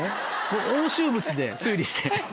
押収物で推理して。